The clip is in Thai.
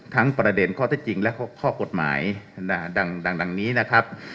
ทั้งประเด็นข้อเท็จจริงและข้อข้อกฎหมายดังดังดังนี้นะครับ